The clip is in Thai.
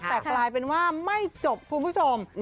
แต่กลายเป็นว่าไม่จบคุณผู้ชม